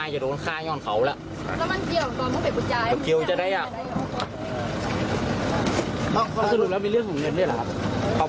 อาจจะโดนฆ่าย่อนเขาล่ะต้องมันเกี่ยวต้องเผ็ดปัจจัย